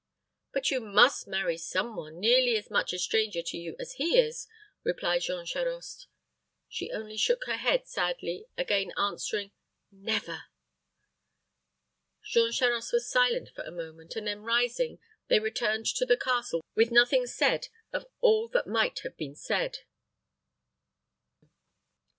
"But you must marry some one nearly as much a stranger to you as he is," replied Jean Charost. She only shook her head sadly, again answering, "Never!" Jean Charost was silent for a moment; and then rising, they returned to the castle with nothing said of all that might have been said.